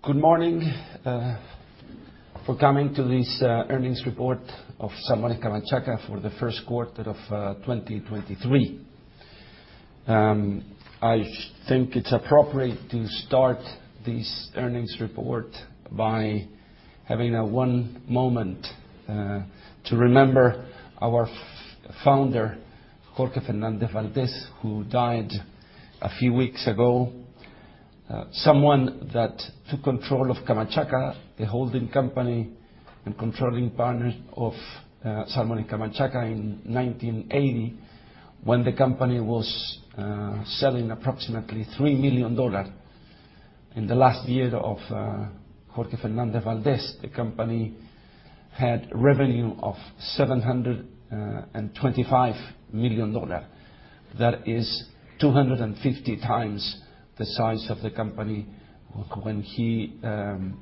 Good morning, for coming to this earnings report of Salmones Camanchaca for the first quarter of 2023. I think it's appropriate to start this earnings report by having a one moment to remember our founder, Jorge Fernández Valdés, who died a few weeks ago. Someone that took control of Camanchaca, a holding company and controlling partner of Salmones Camanchaca in 1980, when the company was selling approximately $3 million. In the last year of Jorge Fernández Valdés, the company had revenue of $725 million. That is 250 times the size of the company when he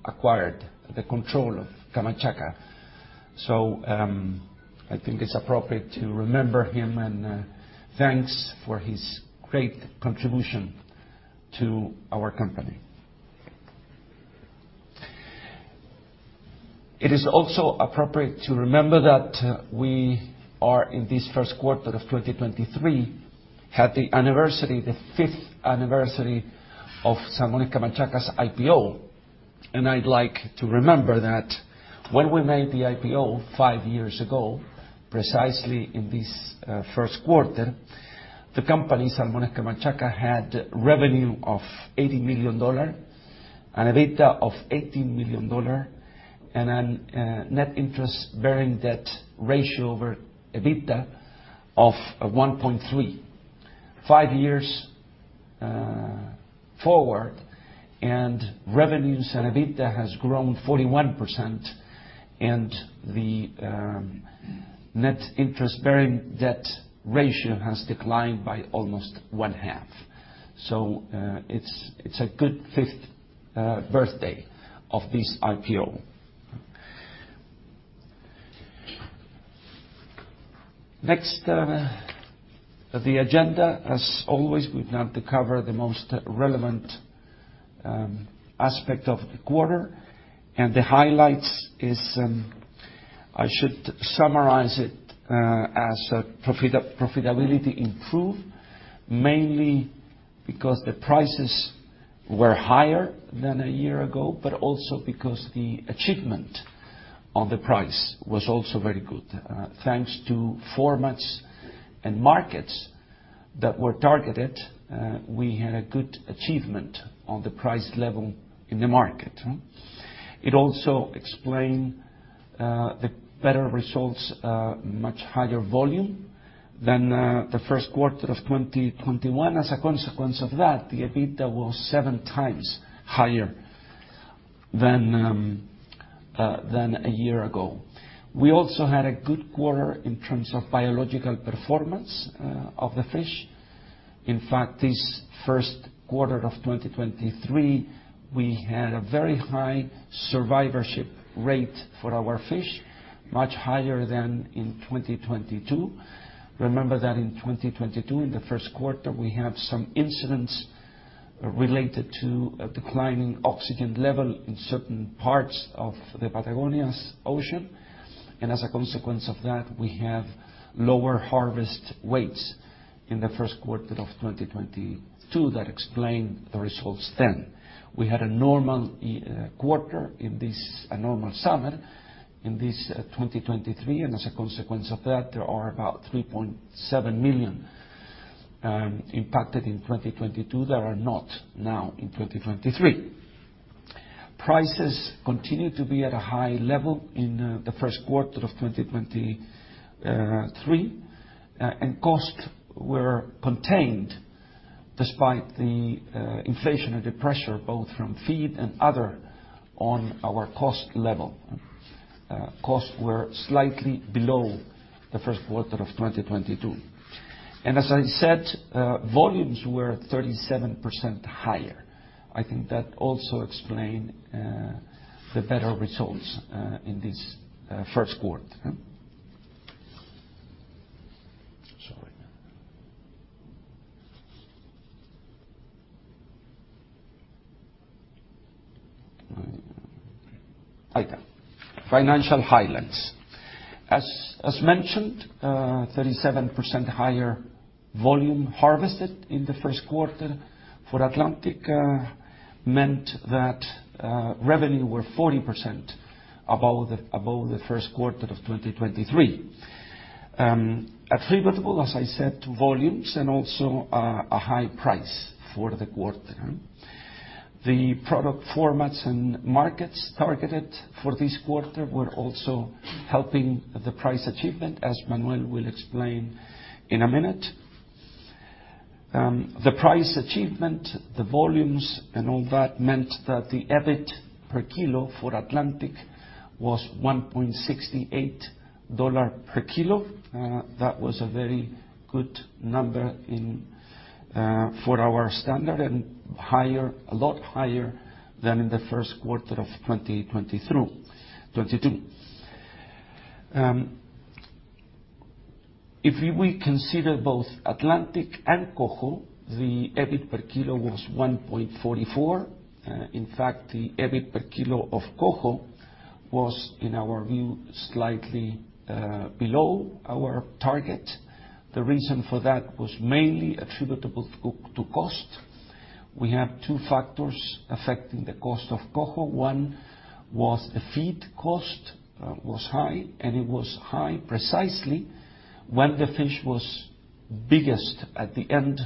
acquired the control of Camanchaca. I think it's appropriate to remember him, and thanks for his great contribution to our company. It is also appropriate to remember that we are in this first quarter of 2023, had the anniversary, the fifth anniversary of Salmones Camanchaca's IPO. I'd like to remember that when we made the IPO five years ago, precisely in this first quarter, the company, Salmones Camanchaca, had revenue of $80 million and EBITDA of $18 million and a net interest-bearing debt ratio over EBITDA of 1.3. Five years forward, revenues and EBITDA has grown 41%, and the net interest-bearing debt ratio has declined by almost one half. It's a good fifth birthday of this IPO. Next, the agenda. As always, we've now to cover the most relevant aspect of the quarter. The highlights is, I should summarize it as profitability improved, mainly because the prices were higher than a year ago, but also because the achievement on the price was also very good. Thanks to formats and markets that were targeted, we had a good achievement on the price level in the market. It also explained the better results, much higher volume than the first quarter of 2021. As a consequence of that, the EBITDA was seven times higher than a year ago. We also had a good quarter in terms of biological performance of the fish. In fact, this first quarter of 2023, we had a very high survivorship rate for our fish, much higher than in 2022. Remember that in 2022, in the first quarter, we have some incidents related to a decline in oxygen level in certain parts of the Patagonia's ocean. As a consequence of that, we have lower harvest weights in the first quarter of 2022 that explained the results then. We had a normal quarter in this abnormal summer in this 2023. As a consequence of that, there are about $3.7 million impacted in 2022 that are not now in 2023. Prices continued to be at a high level in the first quarter of 2023. Costs were contained despite the inflationary pressure, both from feed and other on our cost level. Costs were slightly below the first quarter of 2022. As I said, volumes were 37% higher. I think that also explained the better results in this first quarter. Sorry. All right. Financial highlights. As mentioned, 37% higher volume harvested in the first quarter for Atlantic meant that revenue were 40% above the first quarter of 2023. Attributable, as I said, volumes and also a high price for the quarter. The product formats and markets targeted for this quarter were also helping the price achievement, as Manuel will explain in a minute. The price achievement, the volumes and all that meant that the EBIT per kilo for Atlantic was $1.68 per kilo. That was a very good number in for our standard and higher, a lot higher than in the first quarter of 2023, 2022. If we will consider both Atlantic and Coho, the EBIT per kilo was $1.44. In fact, the EBIT per kilo of Coho was, in our view, slightly below our target. The reason for that was mainly attributable to cost. We had two factors affecting the cost of Coho. One was the feed cost was high, and it was high precisely when the fish was biggest at the end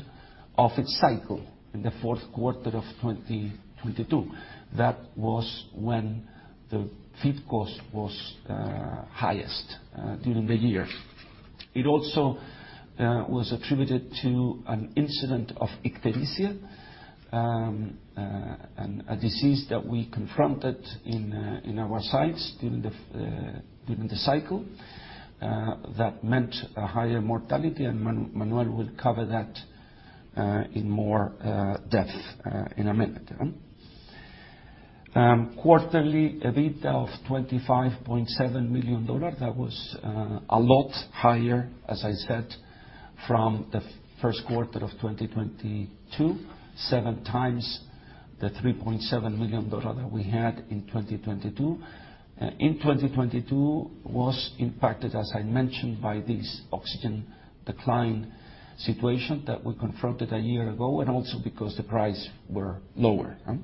of its cycle, in the fourth quarter of 2022. That was when the feed cost was highest during the year. It also was attributed to an incident of ichthyosis, a disease that we confronted in our sites during the cycle that meant a higher mortality, and Manuel will cover that in more depth in a minute. Quarterly, EBIT of $25.7 million, that was a lot higher, as I said, from the first quarter of 2022, seven times the $3.7 million that we had in 2022. In 2022 was impacted, as I mentioned, by this oxygen decline situation that we confronted a year ago, and also because the price were lower, huh.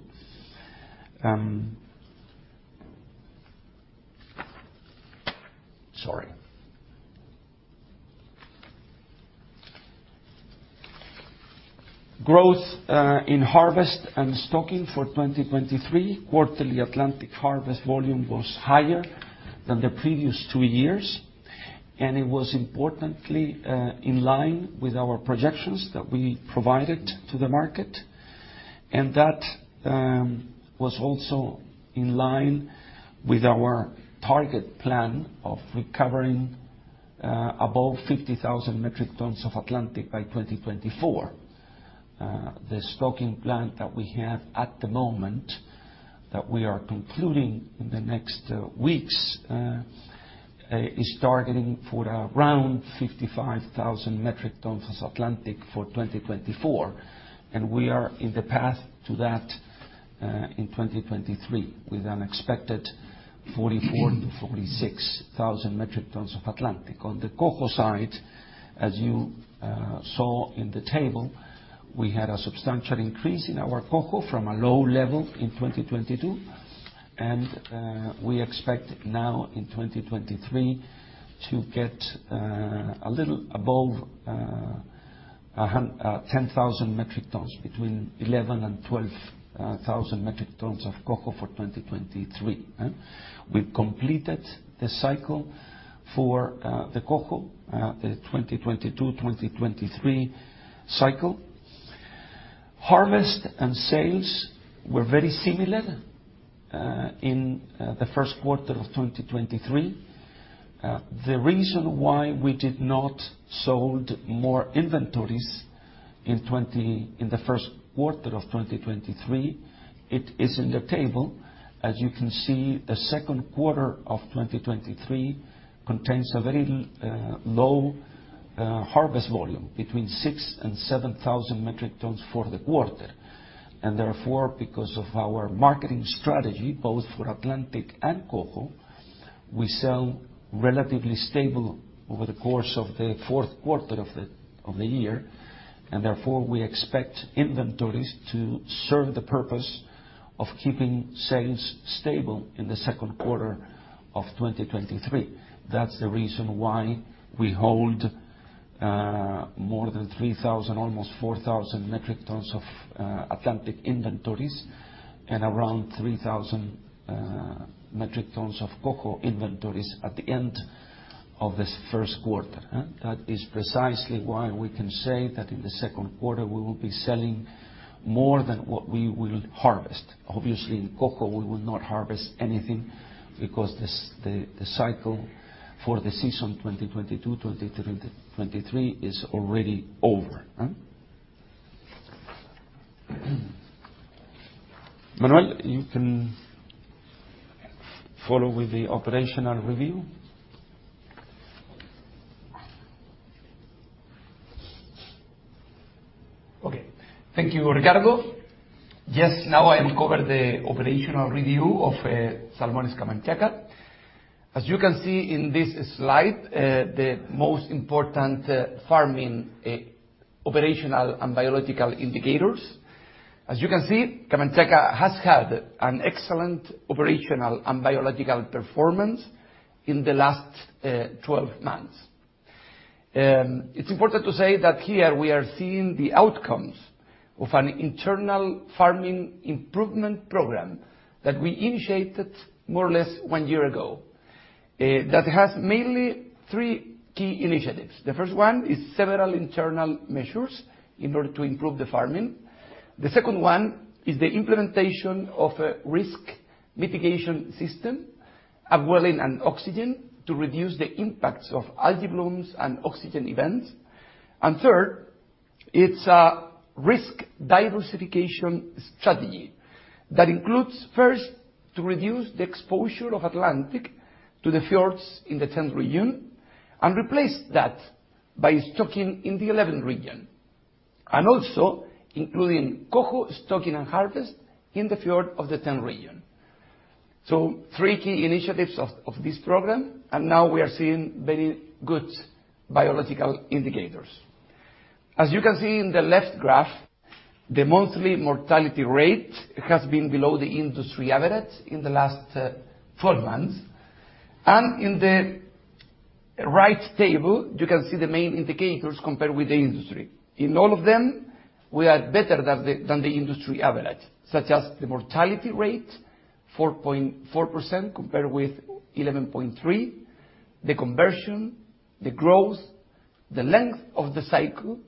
Sorry. Growth in harvest and stocking for 2023, quarterly Atlantic harvest volume was higher than the previous two years, and it was importantly in line with our projections that we provided to the market. That was also in line with our target plan of recovering above 50,000 metric tons of Atlantic by 2024. The stocking plan that we have at the moment, that we are concluding in the next weeks, is targeting for around 55,000 metric tons of Atlantic for 2024, and we are in the path to that in 2023, with an expected 44,000-46,000 metric tons of Atlantic. On the Coho side, as you saw in the table, we had a substantial increase in our Coho from a low level in 2022. We expect now in 2023 to get 10,000 metric tons, between 11,000 and 12,000 metric tons of Coho for 2023. We've completed the cycle for the Coho, the 2022/2023 cycle. Harvest and sales were very similar in the first quarter of 2023. The reason why we did not sold more inventories in the first quarter of 2023, it is in the table. As you can see, the second quarter of 2023 contains a very low harvest volume, between 6,000-7,000 metric tons for the quarter. Therefore, because of our marketing strategy, both for Atlantic and Coho, we sell relatively stable over the course of the fourth quarter of the year, and therefore we expect inventories to serve the purpose of keeping sales stable in the second quarter of 2023. That's the reason why we hold more than 3,000, almost 4,000 metric tons of Atlantic inventories and around 3,000 metric tons of Coho inventories at the end of this first quarter. That is precisely why we can say that in the second quarter we will be selling more than what we will harvest. Obviously, in Coho, we will not harvest anything because the cycle for the season 2022/2023 is already over, huh? Manuel, you can follow with the operational review. Thank you, Ricardo. Now I will cover the operational review of Salmones Camanchaca. As you can see in this slide, the most important farming operational and biological indicators. As you can see, Camanchaca has had an excellent operational and biological performance in the last 12 months. It's important to say that here we are seeing the outcomes of an internal farming improvement program that we initiated more or less one year ago that has mainly three key initiatives. The first one is several internal measures in order to improve the farming. The second one is the implementation of a risk mitigation system, a well in an oxygen, to reduce the impacts of algae blooms and oxygen events. Third, it's a risk diversification strategy that includes, first, to reduce the exposure of Atlantic to the fjords in the 10th region and replace that by stocking in the 11th region. Also including Coho stocking and harvest in the fjord of the 10th region. Three key initiatives of this program, and now we are seeing very good biological indicators. As you can see in the left graph, the monthly mortality rate has been below the industry average in the last 12 months. In the right table, you can see the main indicators compared with the industry. In all of them, we are better than the industry average, such as the mortality rate, four point... 4% compared with 11.3%, the conversion, the growth, the length of the cycle,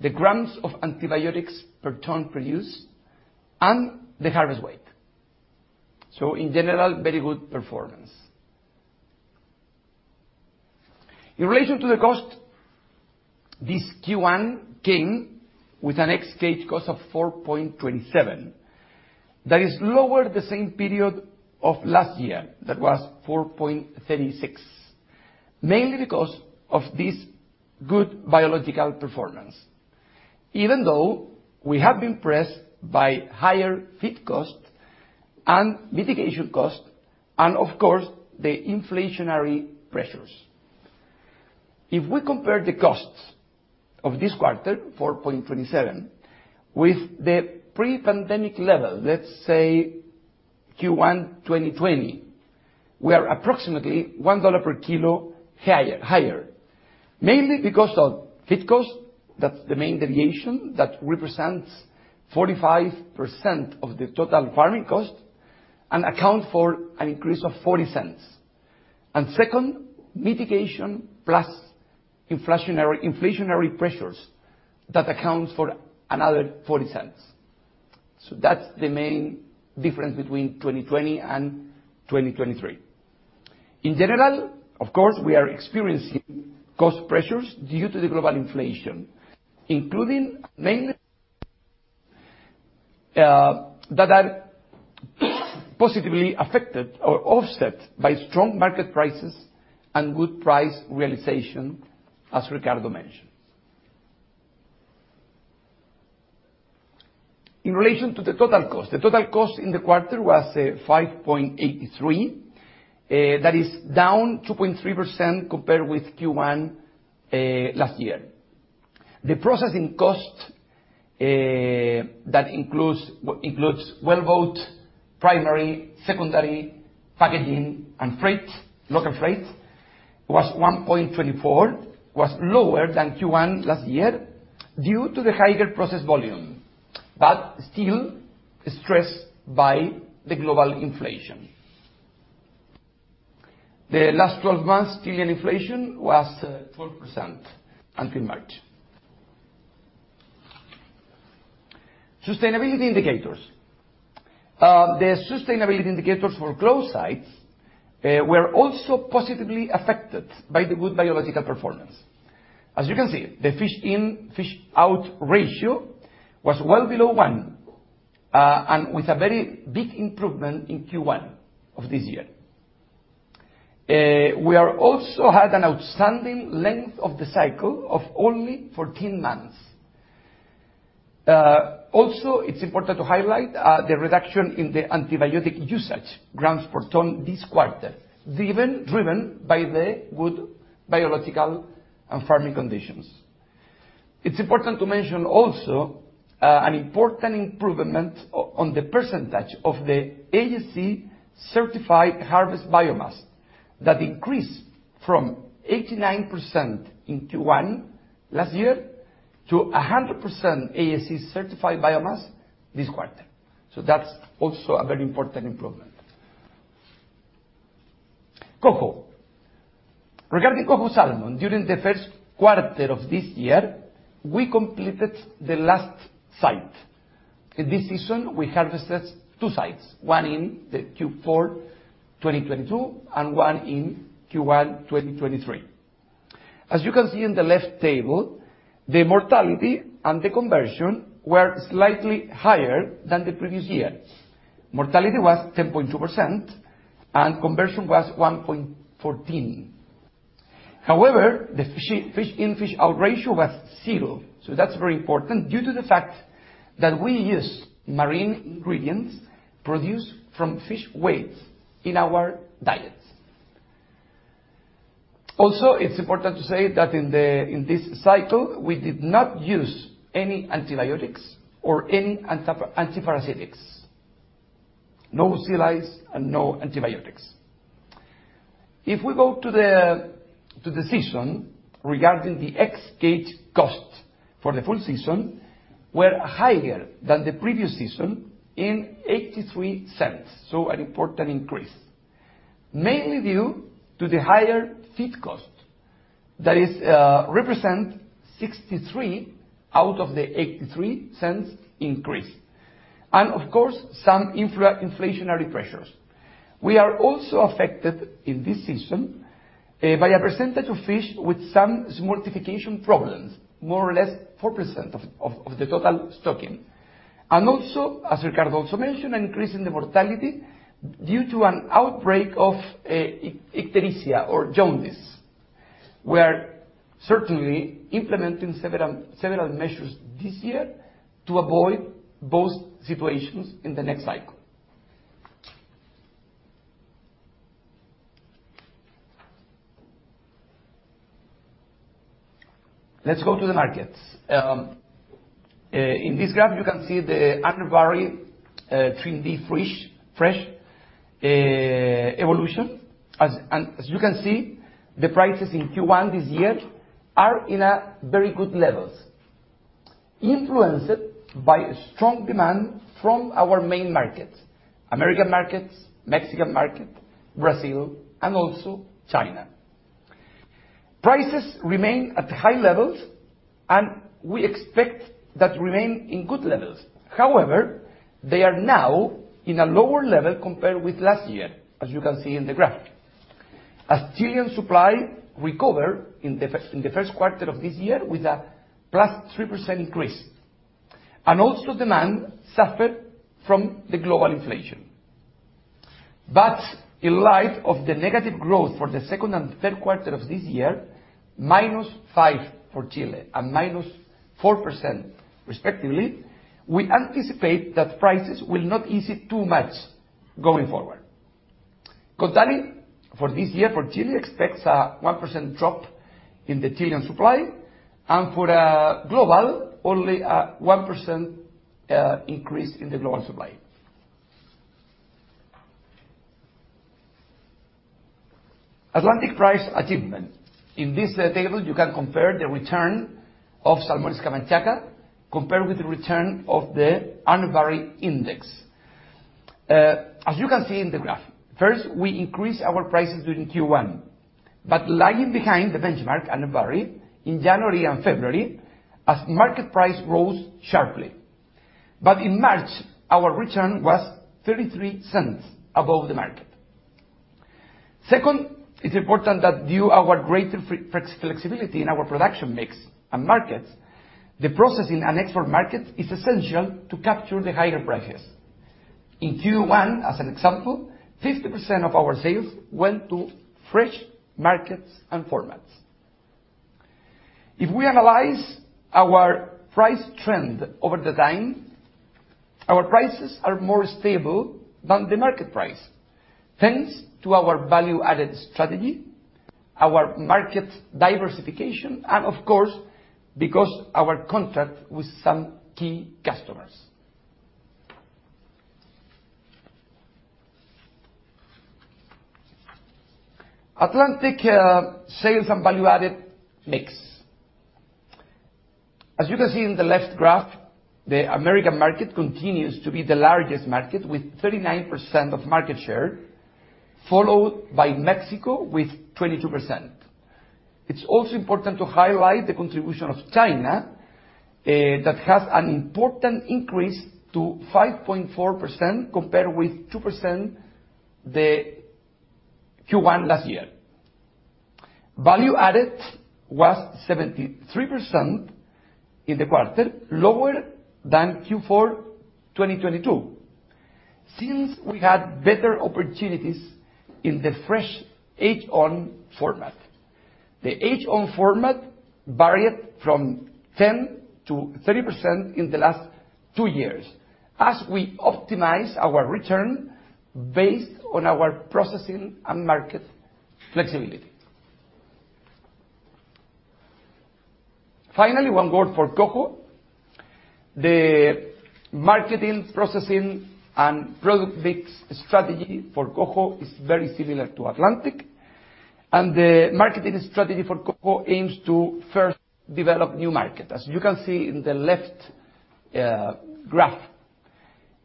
the grams of antibiotics per ton produced, and the harvest weight. In general, very good performance. In relation to the cost, this Q1 came with an ex-cage cost of $4.27. That is lower the same period of last year. That was $4.36. Mainly because of this good biological performance. Even though we have been pressed by higher feed cost and mitigation cost and, of course, the inflationary pressures. If we compare the costs of this quarter, $4.27, with the pre-pandemic level, let's say Q1 2020, we are approximately $1 per kilo higher. Mainly because of feed cost. That's the main deviation that represents 45% of the total farming cost and account for an increase of $0.40. Second, mitigation plus inflationary pressures that accounts for another $0.40. That's the main difference between 2020 and 2023. In general, of course, we are experiencing cost pressures due to the global inflation, including mainly, that are positively affected or offset by strong market prices and good price realization, as Ricardo mentioned. In relation to the total cost, the total cost in the quarter was $5.83. That is down 2.3% compared with Q1 last year. The processing cost, that includes wellboat, primary, secondary, packaging, and freight, local freight, was $1.24, was lower than Q1 last year due to the higher process volume, but still stressed by the global inflation. The last 12 months Chilean inflation was 4% until March. Sustainability indicators. The sustainability indicators for closed sites were also positively affected by the good biological performance. As you can see, the Fish In:Fish Out ratio was well below one and with a very big improvement in Q1 of this year. We are also had an outstanding length of the cycle of only 14 months. Also, it's important to highlight the reduction in the antibiotic usage grams per ton this quarter, driven by the good biological and farming conditions. It's important to mention also an important improvement on the percentage of the ASC certified harvest biomass that increased from 89% in Q1 last year to 100% ASC certified biomass this quarter. That's also a very important improvement. Coho. Regarding Coho salmon, during the first quarter of this year, we completed the last site. In this season, we harvested two sites, one in Q4 2022 and one in Q1 2023. As you can see in the left table, the mortality and the conversion were slightly higher than the previous year. Mortality was 10.2% and conversion was 1.14. The Fish In:Fish Out ratio was 0, that's very important due to the fact that we use marine ingredients produced from fish waste in our diets. It's important to say that in this cycle, we did not use any antibiotics or any Antiparasitics. No sealice and no antibiotics. If we go to the season, regarding the ex-cage cost for the full season were higher than the previous season in $0.83, an important increase, mainly due to the higher feed cost. That is, represent $0.63 out of the $0.83 increase. Of course, some inflationary pressures. We are also affected in this season by a percentage of fish with some smoltification problems, more or less 4% of the total stocking. Also, as Ricardo also mentioned, an increase in the mortality due to an outbreak of Ictericia or Jaundice. We are certainly implementing several measures this year to avoid both situations in the next cycle. Let's go to the markets. In this graph, you can see the Urner Barry trimmed fish, fresh evolution. As you can see, the prices in Q1 this year are in very good levels, influenced by strong demand from our main markets, American markets, Mexican market, Brazil, and also China. Prices remain at high levels, we expect that remain in good levels. However, they are now in a lower level compared with last year, as you can see in the graph. Chilean supply recover in the first quarter of this year with a +3% increase, and also demand suffered from the global inflation. In light of the negative growth for the second and third quarter of this year, -5% for Chile and -4% respectively, we anticipate that prices will not ease it too much going forward. Kontali for this year, for Chile expects a 1% drop in the Chilean supply, and for global, only a 1% increase in the global supply. Atlantic salmon price achievement. In this data, you can compare the return of Salmones Camanchaca compared with the return of the Urner Barry index. As you can see in the graph, first, we increased our prices during Q1, lagging behind the benchmark, Urner Barry, in January and February as market price rose sharply. In March, our return was $0.33 above the market. Second, it's important that due our greater flexibility in our production mix and markets, the processing and export market is essential to capture the higher prices. In Q1, as an example, 50% of our sales went to fresh markets and formats. If we analyze our price trend over the time, our prices are more stable than the market price, thanks to our value-added strategy, our market diversification, and of course, because our contract with some key customers. Atlantic sales and value-added mix. As you can see in the left graph, the American market continues to be the largest market with 39% of market share, followed by Mexico with 22%. It's also important to highlight the contribution of China, that has an important increase to 5.4% compared with 2% the Q1 last year. Value added was 73% in the quarter, lower than Q4 2022. We had better opportunities in the fresh age on format. The age on format varied from 10%-30% in the last two years as we optimize our return based on our processing and market flexibility. Finally, one word for Coho. The marketing, processing, and product mix strategy for Coho is very similar to Atlantic. The marketing strategy for Coho aims to first develop new markets. As you can see in the left graph,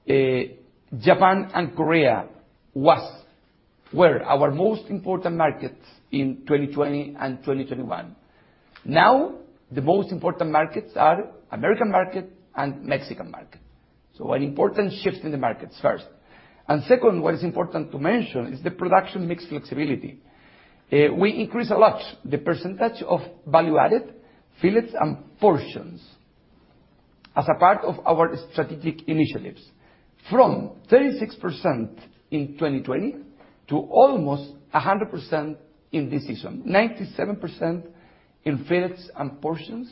Japan and Korea were our most important markets in 2020 and 2021. Now, the most important markets are American market and Mexican market. An important shift in the markets first. Second, what is important to mention is the production mix flexibility. We increase a lot the percentage of value-added fillets and portions as a part of our strategic initiatives from 36% in 2020 to almost 100% in this season. 97% in fillets and portions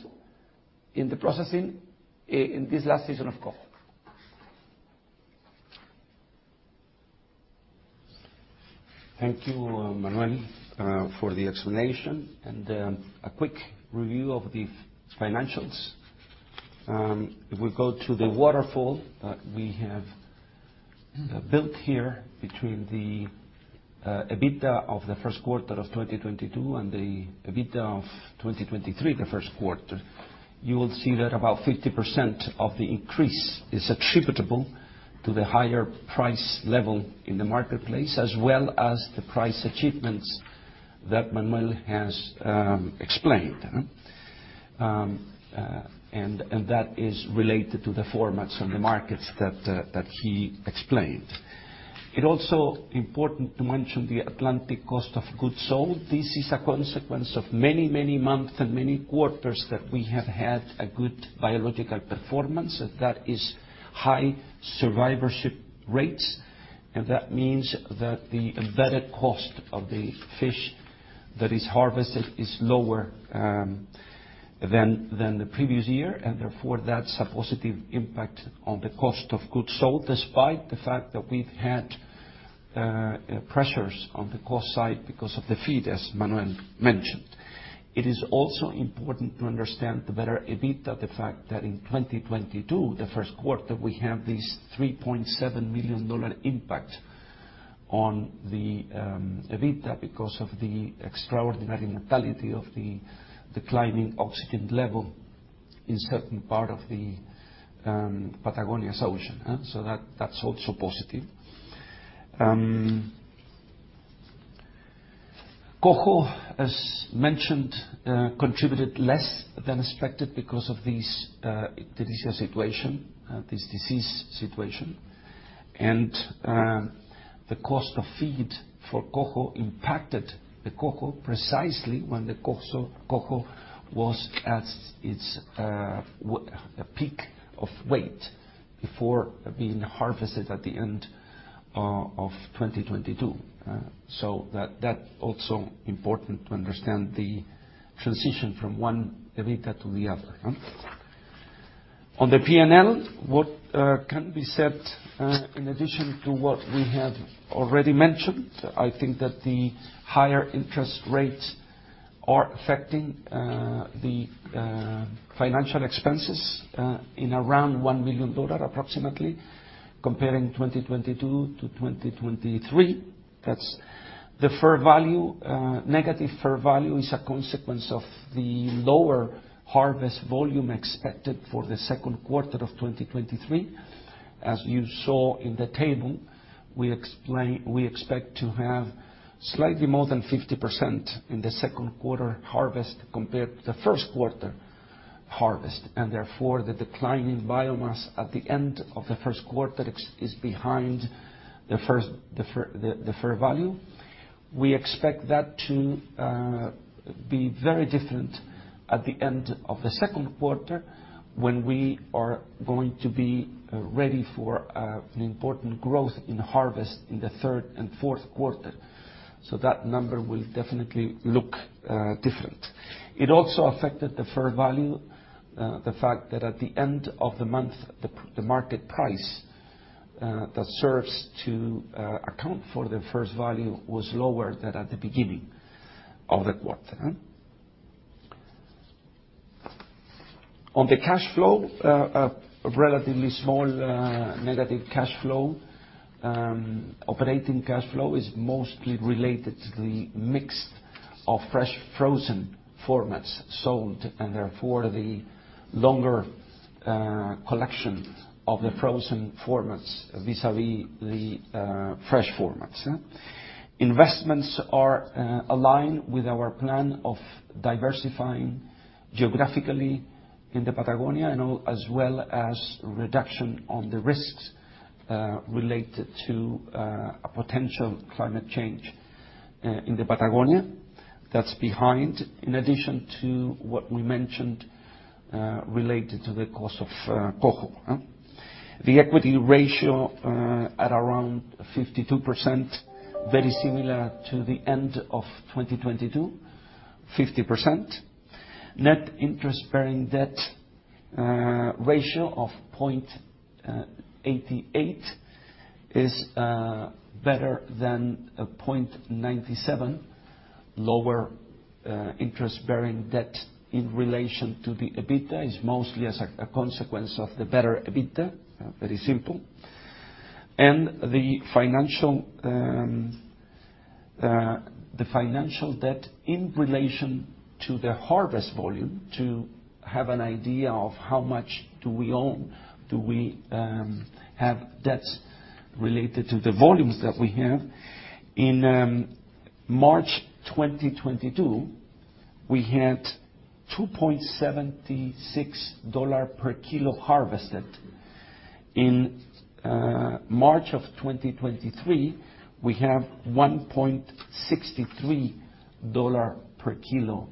in the processing in this last season of Coho. Thank you, Manuel, for the explanation and a quick review of the financials. If we go to the waterfall that we have built here between the EBITDA of the first quarter of 2022 and the EBITDA of 2023, the first quarter, you will see that about 50% of the increase is attributable to the higher price level in the marketplace, as well as the price achievements that Manuel has explained. That is related to the formats and the markets that he explained. It also important to mention the Atlantic cost of goods sold. This is a consequence of many, many months and many quarters that we have had a good biological performance. That is high survivorship rates. That means that the embedded cost of the fish that is harvested is lower than the previous year. Therefore, that's a positive impact on the cost of goods sold, despite the fact that we've had pressures on the cost side because of the feed, as Manuel mentioned. It is also important to understand the better EBITDA, the fact that in 2022, the first quarter, we have these $3.7 million impact on the EBITDA because of the extraordinary mortality of the declining oxygen level in certain part of the Patagonia's ocean. That's also positive. Coho, as mentioned, contributed less than expected because of this situation, this disease situation. The cost of feed for Coho impacted the Coho precisely when the Coho was at its peak of weight before being harvested at the end of 2022. That also important to understand the transition from one EBITDA to the other. On the P&L, what can be said in addition to what we have already mentioned, I think that the higher interest rates are affecting the financial expenses in around $1 million approximately comparing 2022 to 2023. That's the fair value. Negative fair value is a consequence of the lower harvest volume expected for the second quarter of 2023. As you saw in the table, we expect to have slightly more than 50% in the second quarter harvest compared to the first quarter harvest. Therefore, the decline in biomass at the end of the first quarter is behind the fair value. We expect that to be very different at the end of the second quarter when we are going to be ready for an important growth in harvest in the third and fourth quarter. That number will definitely look different. It also affected the fair value, the fact that at the end of the month, the market price that serves to account for the fair value was lower than at the beginning of the quarter. On the cash flow, relatively small negative cash flow. Operating cash flow is mostly related to the mix of fresh frozen formats sold, and therefore the longer collection of the frozen formats vis-à-vis the fresh formats. Investments are aligned with our plan of diversifying geographically in the Patagonia and all, as well as reduction on the risks related to a potential climate change in the Patagonia. That's behind. In addition to what we mentioned, related to the cost of Coho. The equity ratio at around 52%, very similar to the end of 2022, 50%. Net interest-bearing debt ratio of 0.88 is better than 0.97. Lower interest bearing debt in relation to the EBITDA is mostly as a consequence of the better EBITDA, very simple. The financial, the financial debt in relation to the harvest volume to have an idea of how much do we own, do we have debts related to the volumes that we have. In March 2022, we had $2.76 per kilo harvested. In March of 2023, we have $1.63 per kilo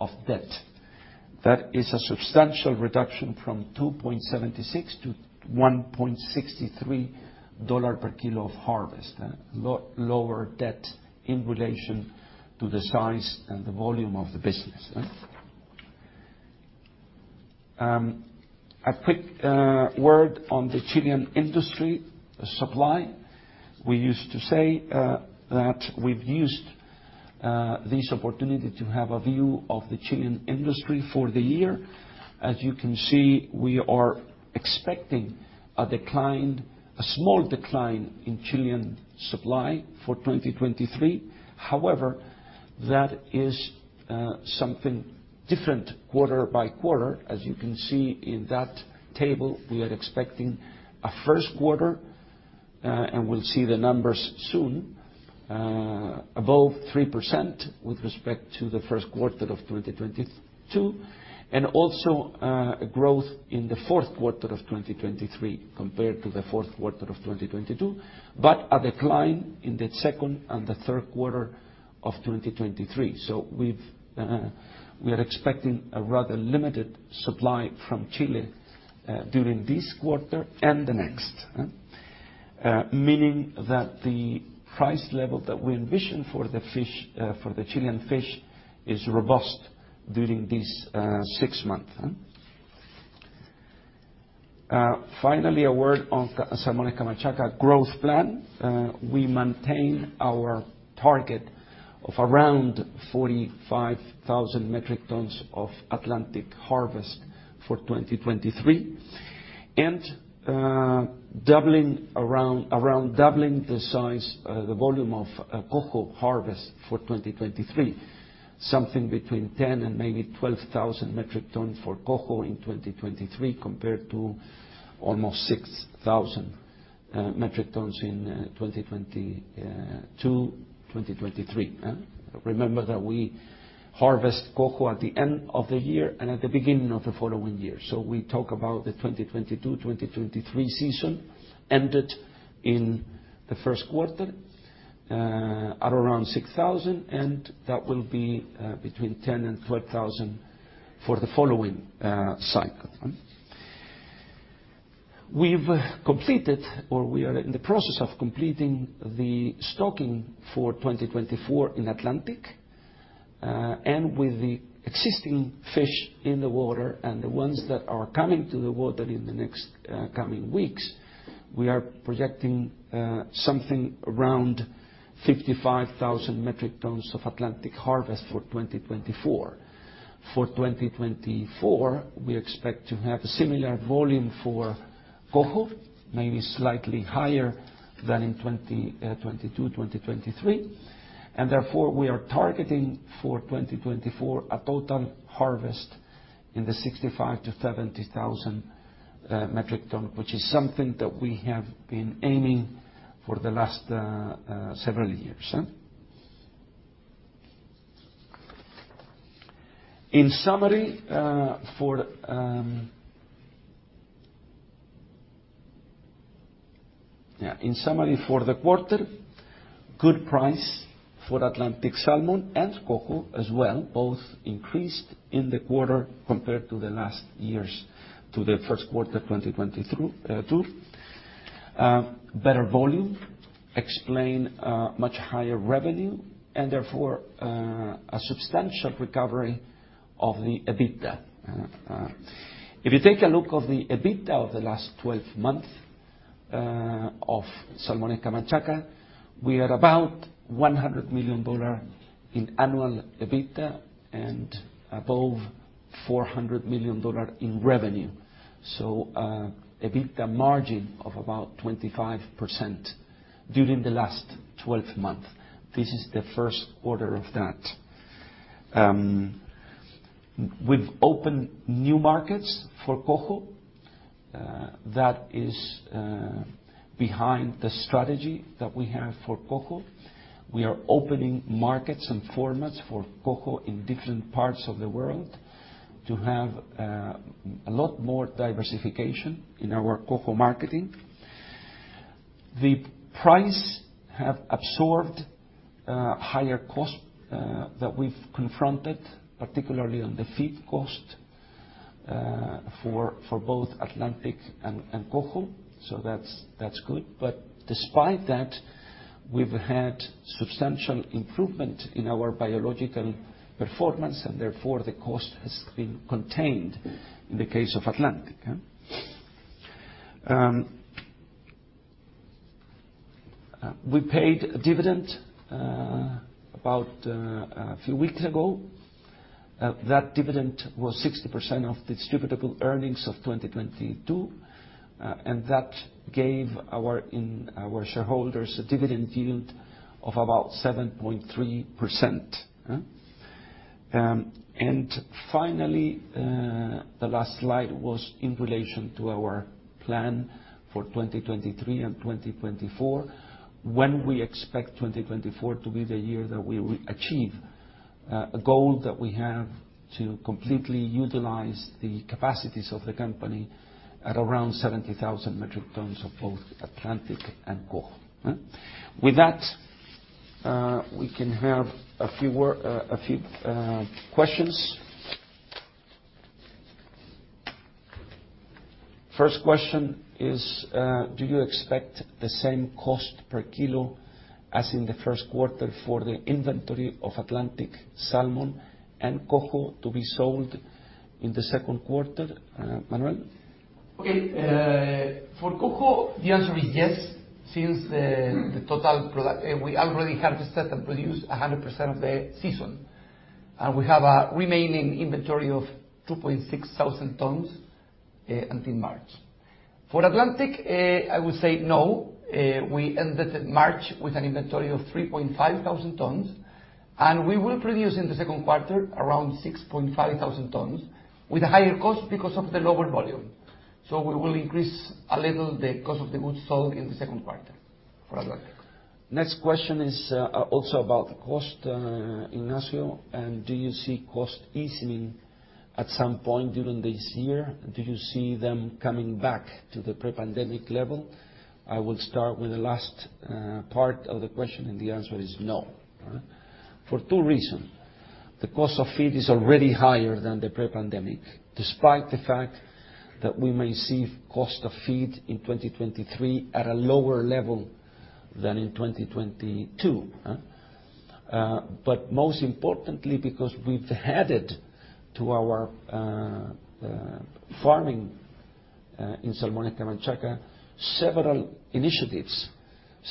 of debt. That is a substantial reduction from $2.76-$1.63 per kilo of harvest. Lot lower debt in relation to the size and the volume of the business. A quick word on the Chilean industry supply. We used to say that we've used this opportunity to have a view of the Chilean industry for the year. As you can see, we are expecting a decline, a small decline in Chilean supply for 2023. However, that is something different quarter by quarter. As you can see in that table, we are expecting a first quarter, and we'll see the numbers soon. Above 3% with respect to the first quarter of 2022, and also, a growth in the fourth quarter of 2023 compared to the fourth quarter of 2022, but a decline in the second and the third quarter of 2023. We've, we are expecting a rather limited supply from Chile, during this quarter and the next, meaning that the price level that we envision for the fish, for the Chilean fish is robust during this, six months, huh? Finally, a word on Salmones Camanchaca growth plan. We maintain our target of around 45,000 metric tons of Atlantic harvest for 2023, doubling the size, the volume of Coho harvest for 2023, something between 10,000-12,000 metric tons for Coho in 2023 compared to almost 6,000 metric tons in 2022, 2023. Remember that we harvest Coho at the end of the year and at the beginning of the following year, so we talk about the 2022/2023 season ended in the first quarter, at around 6,000, and that will be between 10,000-12,000 for the following cycle. We've completed or we are in the process of completing the stocking for 2024 in Atlantic. With the existing fish in the water and the ones that are coming to the water in the next coming weeks, we are projecting something around 55,000 metric tons of Atlantic harvest for 2024. For 2024, we expect to have a similar volume for Coho, maybe slightly higher than in 2022/2023. Therefore, we are targeting for 2024 a total harvest in the 65,000-70,000 metric ton, which is something that we have been aiming for the last several years, huh? In summary, for the quarter, good price for Atlantic salmon and Coho as well. Both increased in the quarter compared to the last year's, to the first quarter 2022. Better volume explain a much higher revenue, therefore, a substantial recovery of the EBITDA. If you take a look of the EBITDA of the last 12 months of Salmones Camanchaca, we are about $100 million in annual EBITDA and above $400 million in revenue. EBITDA margin of about 25% during the last 12 months. This is the first quarter of that. We've opened new markets for Coho. That is behind the strategy that we have for Coho. We are opening markets and formats for Coho in different parts of the world to have a lot more diversification in our Coho marketing. The price have absorbed higher cost that we've confronted, particularly on the feed cost for both Atlantic and Coho. That's, that's good. Despite that, we've had substantial improvement in our biological performance, and therefore, the cost has been contained in the case of Atlantic. We paid dividend about a few weeks ago. That dividend was 60% of distributable earnings of 2022, and that gave our shareholders a dividend yield of about 7.3%. Finally, the last slide was in relation to our plan for 2023 and 2024, when we expect 2024 to be the year that we will achieve a goal that we have to completely utilize the capacities of the company at around 70,000 metric tons of both Atlantic and Coho. With that, we can have a few questions. First question is, do you expect the same cost per kilo as in the first quarter for the inventory of Atlantic salmon and Coho to be sold in the second quarter? Manuel? Okay. For Coho, the answer is yes, since the total we already harvested and produced 100% of the season. We have a remaining inventory of 2,600 tons until March. For Atlantic, I would say no. We ended March with an inventory of 3,500 tons, and we will produce in the second quarter around 6,500 tons with a higher cost because of the lower volume. We will increase a little the cost of the goods sold in the second quarter for Atlantic. Next question is, also about cost, Ignacio, and do you see cost easing at some point during this year? Do you see them coming back to the pre-pandemic level? I would start with the last part of the question, and the answer is no. For two reasons. The cost of feed is already higher than the pre-pandemic, despite the fact that we may see cost of feed in 2023 at a lower level than in 2022, but most importantly, because we've added to our farming in Salmones Camanchaca, several initiatives,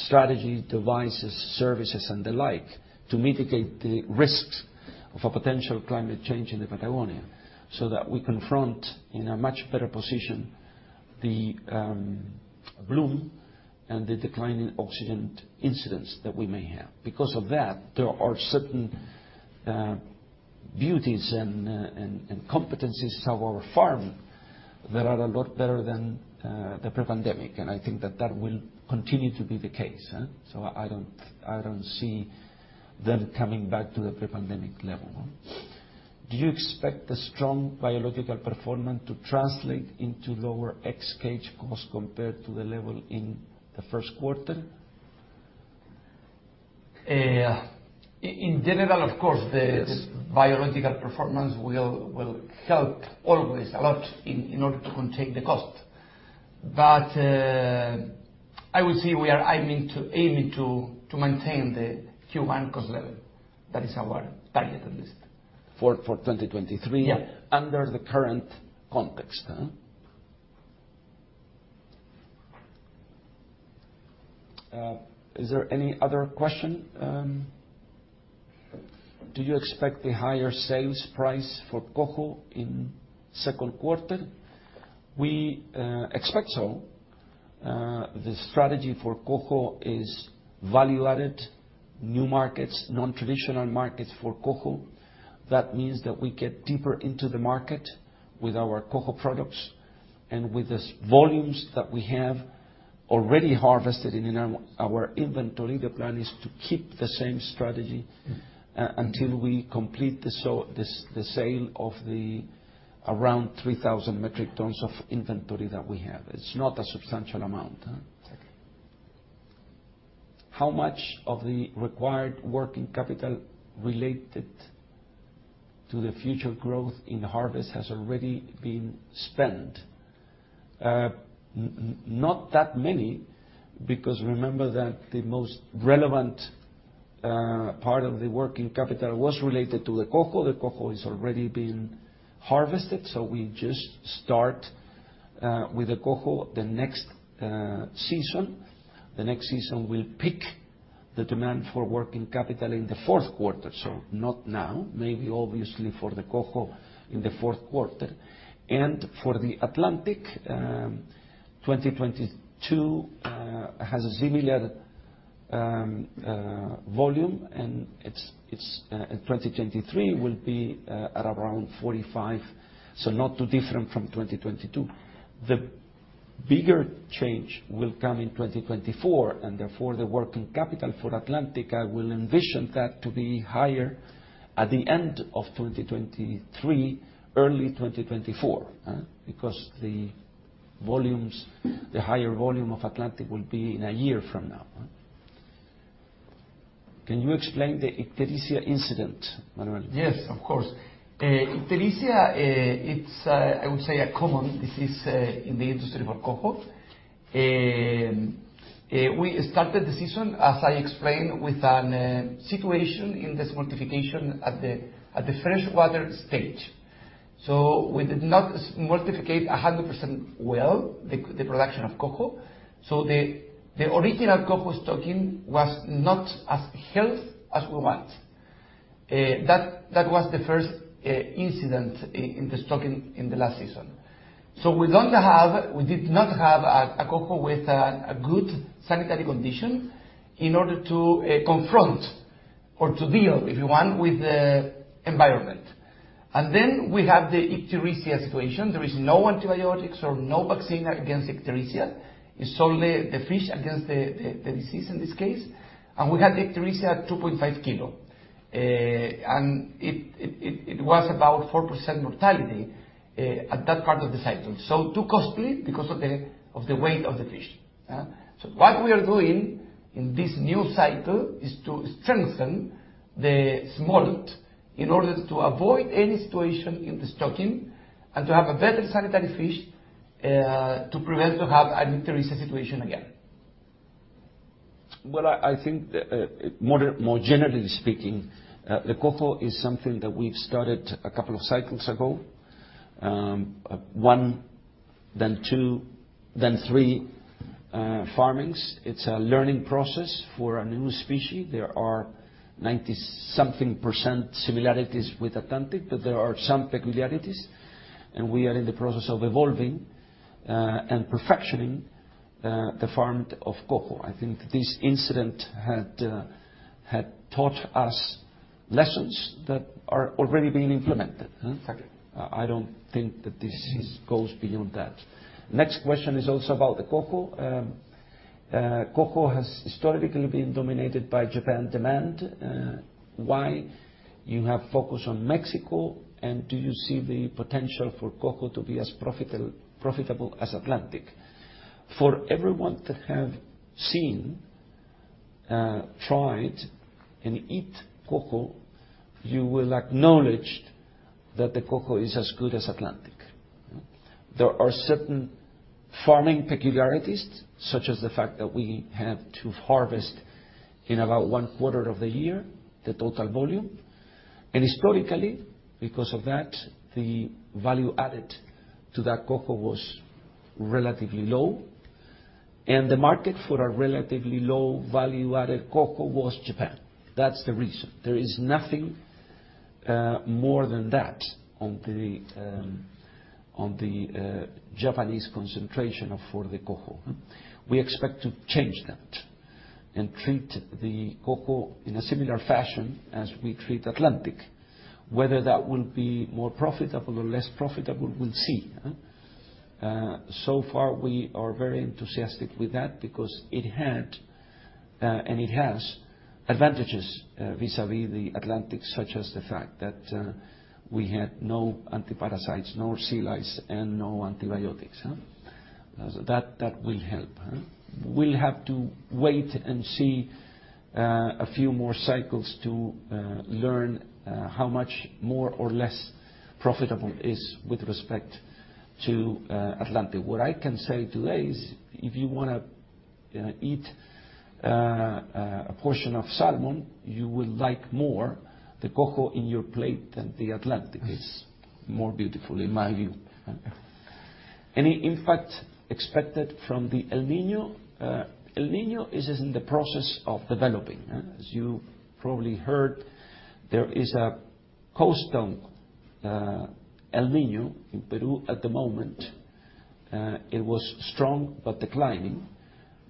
strategy, devices, services, and the like, to mitigate the risks of a potential climate change in the Patagonia, so that we confront, in a much better position, the bloom and the decline in oxygen incidents that we may have. Because of that, there are certain beauties and competencies of our farm that are a lot better than the pre-pandemic. I think that that will continue to be the case. I don't see them coming back to the pre-pandemic level. Do you expect the strong biological performance to translate into lower ex-cage costs compared to the level in the first quarter? In general, of course. Yes. The biological performance will help always a lot in order to contain the cost. I would say we are aiming to maintain the Q1 cost level. That is our target, at least. For 2023. Yeah. Under the current context. Is there any other question? Do you expect the higher sales price for Coho in second quarter? We expect so. The strategy for Coho is value-added, new markets, non-traditional markets for Coho. That means that we get deeper into the market with our Coho products, and with the volumes that we have already harvested in our inventory, the plan is to keep the same strategy until we complete the sale of the around 3,000 metric tons of inventory that we have. It's not a substantial amount. Exactly. How much of the required working capital related to the future growth in harvest has already been spent? Not that many, because remember that the most relevant part of the working capital was related to the Coho. The Coho is already been harvested, we just start with the Coho the next season. The next season will peak the demand for working capital in the fourth quarter, not now. Maybe obviously for the Coho in the fourth quarter. For the Atlantic, 2022 has a similar volume, and it's in 2023 will be at around 45, not too different from 2022. The bigger change will come in 2024, therefore, the working capital for Atlantic, I will envision that to be higher at the end of 2023, early 2024, because the volumes, the higher volume of Atlantic will be in a year from now. Can you explain the Ichthyophthirius incident, Manuel? Yes, of course. Ichthyophthirius, it's, I would say, a common disease in the industry for Coho. We started the season, as I explained, with an situation in the smoltification at the freshwater stage. We did not smoltificate 100% well, the production of Coho. The original Coho stocking was not as health as we want. That was the first incident in the stocking in the last season. We don't have, we did not have a Coho with a good sanitary condition in order to confront or to deal, if you want, with the environment. We have the Ichthyophthirius situation. There is no antibiotics or no vaccine against Ichthyophthirius. It's only the fish against the disease in this case. We had ichthyophthirius at 2.5 kilo. It was about 4% mortality at that part of the cycle. Too costly because of the weight of the fish. What we are doing in this new cycle is to strengthen the smolt in order to avoid any situation in the stocking and to have a better sanitary fish to prevent to have a ichthyophthirius situation again. Well, I think, more generally speaking, the Coho is something that we've started a couple of cycles ago. One, then two, then three, farmings. It's a learning process for a new species. There are 90-something% similarities with Atlantic, but there are some peculiarities, and we are in the process of evolving and perfectioning the farm of Coho. I think this incident had taught us lessons that are already being implemented? Exactly. I don't think that this goes beyond that. Next question is also about the Coho. Coho has historically been dominated by Japan demand. Why you have focused on Mexico, and do you see the potential for Coho to be as profitable as Atlantic? For everyone to have seen, tried, and eat Coho, you will acknowledge that the Coho is as good as Atlantic. There are certain farming peculiarities, such as the fact that we have to harvest in about one quarter of the year, the total volume. Historically, because of that, the value added to that Coho was relatively low, and the market for a relatively low value-added Coho was Japan. That's the reason. There is nothing more than that on the Japanese concentration for the Coho. We expect to change that and treat the Coho in a similar fashion as we treat Atlantic. Whether that will be more profitable or less profitable, we'll see. So far, we are very enthusiastic with that because it had and it has advantages vis-a-vis the Atlantic, such as the fact that we had no antiparasites, no sea lice, and no antibiotics. That will help. We'll have to wait and see a few more cycles to learn how much more or less profitable is with respect to Atlantic. What I can say today is if you wanna eat a portion of salmon, you will like more the Coho in your plate than the Atlantic. Yes. It's more beautiful, in my view. Any impact expected from the El Niño? El Niño is in the process of developing. As you probably heard, there is a coastal El Niño in Peru at the moment. It was strong, but declining.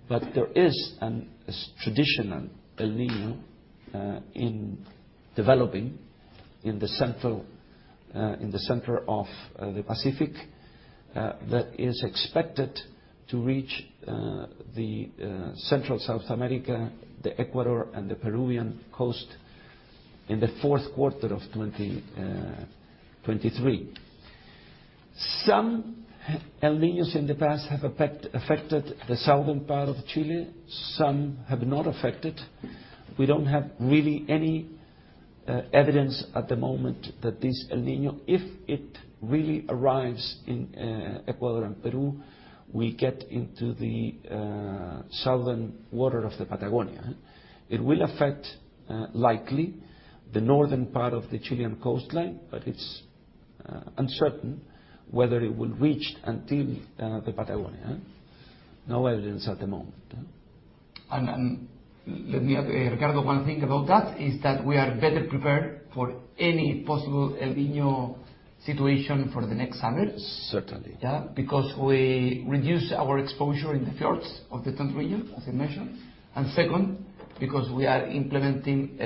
There is an traditional El Niño in developing in the center, in the center of the Pacific, that is expected to reach the central South America, the Ecuador and the Peruvian coast in the fourth quarter of 2023. Some El Niños in the past have affected the southern part of Chile. Some have not affected. We don't have really any evidence at the moment that this El Niño, if it really arrives in Ecuador and Peru, will get into the southern water of the Patagonia. It will affect, likely the northern part of the Chilean coastline, but it's uncertain whether it will reach until the Patagonia, huh. No evidence at the moment, huh. Let me, Ricardo, one thing about that, is that we are better prepared for any possible El Niño situation for the next summers. Certainly. Yeah. Because we reduced our exposure in the fjords of the Reñihué Fjord, as I mentioned. Second, because we are implementing,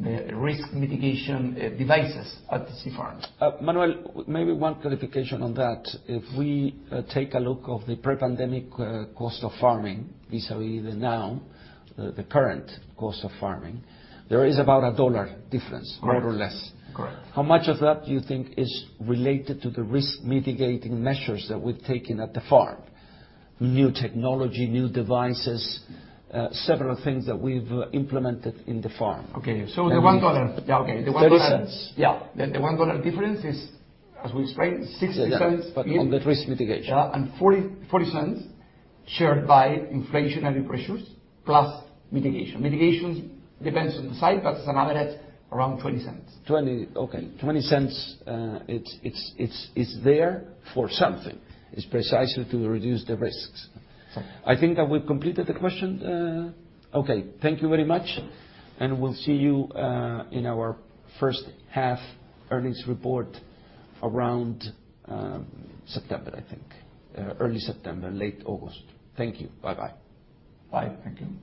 the risk mitigation, devices at the sea farms. Manuel, maybe one clarification on that. If we take a look of the pre-pandemic, cost of farming, vis-a-vis the now, the current cost of farming, there is about a $1 difference- Correct. more or less. Correct. How much of that do you think is related to the risk mitigating measures that we've taken at the farm? New technology, new devices, several things that we've implemented in the farm. Okay. And these- Yeah, okay. $0.30. Yeah. The $1 difference is, as we explained, $0.60. On the risk mitigation. Yeah. $0.40 shared by inflationary pressures plus mitigation. Mitigation depends on the site, but it's an average around $0.20. 20. Okay. $0.20, it's there for something. It's precisely to reduce the risks. So. I think that we've completed the question. Okay. Thank you very much. We'll see you in our first half earnings report around September, I think. Early September, late August. Thank you. Bye-bye. Bye. Thank you.